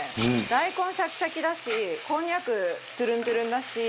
大根シャキシャキだしこんにゃくトゥルントゥルンだし